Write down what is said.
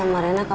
mbak rina tuh